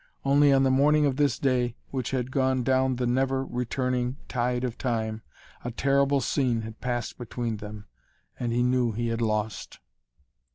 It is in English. Only on the morning of this day, which had gone down the never returning tide of time, a terrible scene had passed between them. And he knew he had lost.